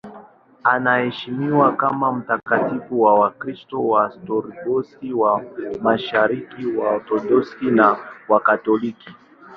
Anaheshimiwa kama mtakatifu na Wakristo Waorthodoksi wa Mashariki, Waorthodoksi na Wakatoliki.